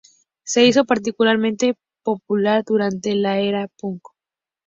Se hizo particularmente popular durante la era punk.